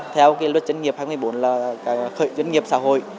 theo luật dân nghiệp hai nghìn một mươi bốn là khởi dân nghiệp xã hội